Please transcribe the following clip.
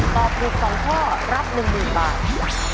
ตอบถูก๒ข้อรับ๑๐๐๐บาท